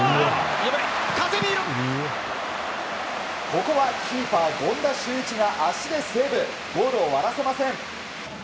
ここはキーパー権田修一が足でセーブゴールを割らせません。